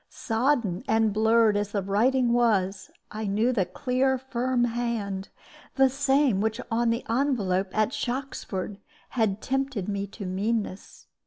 Sodden and blurred as the writing was, I knew the clear, firm hand, the same which on the envelope at Shoxford had tempted me to meanness.